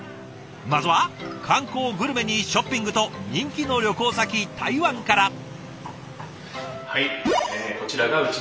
まずは観光グルメにショッピングと人気の旅行先台湾から。